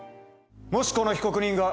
もしこの被告人が。